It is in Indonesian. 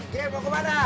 je mau kemana